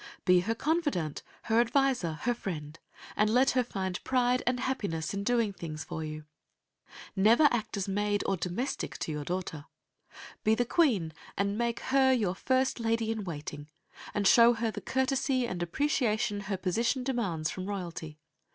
Be her confidant, her adviser, her friend, and let her find pride and happiness in doing things for you. Never act as maid or domestic to your daughter. Be the queen and make her your first lady in waiting, and show her the courtesy and appreciation her position demands from royalty.